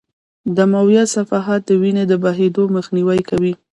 دمویه صفحات د وینې د بهېدو مخنیوی کوي.